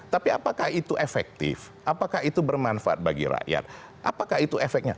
tapi apakah itu efektif apakah itu bermanfaat bagi rakyat apakah itu efeknya